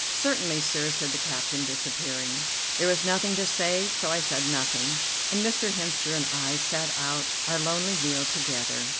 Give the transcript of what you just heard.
"Certainly, sir," said the captain, disappearing. There was nothing to say, so I said nothing, and Mr. Hemster and I sat out our lonely meal together.